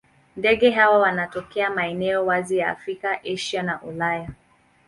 Ndege hawa wanatokea maeneo wazi wa Afrika, Asia na Ulaya.